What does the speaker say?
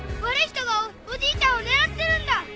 悪い人がおじいちゃんを狙ってるんだ。